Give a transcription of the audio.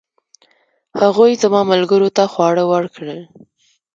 هغوی زما ملګرو ته خواړه ورکړل.